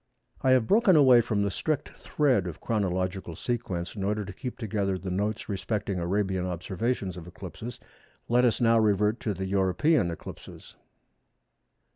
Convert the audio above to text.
I have broken away from the strict thread of chronological sequence in order to keep together the notes respecting Arabian observations of eclipses. Let us now revert to the European eclipses.